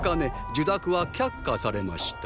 受諾は却下されました。